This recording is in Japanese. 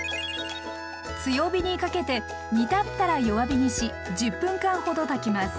強火にかけて煮立ったら弱火にし１０分間ほど炊きます。